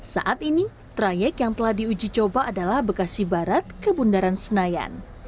saat ini trayek yang telah diuji coba adalah bekasi barat ke bundaran senayan